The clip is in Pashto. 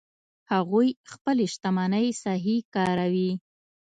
هغوی خپلې شتمنۍ صحیح کاروي